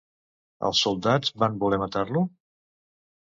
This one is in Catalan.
Els soldats van voler matar-lo?